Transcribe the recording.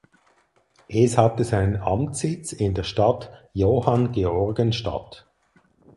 Es hatte seinen Amtssitz in der Stadt Johanngeorgenstadt.